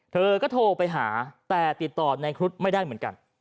เธอก็โทรไปหาแต่ติดต่อในครุฑไม่ได้เหมือนกัน